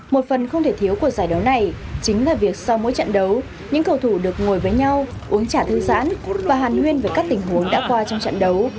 một phần không thể thiếu của giải đấu này chính là việc sau mỗi trận đấu những cầu thủ được ngồi với nhau uống chả thư giãn và hàn huyên về các tình huống đã qua trong trận đấu